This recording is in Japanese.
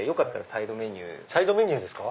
サイドメニューですか。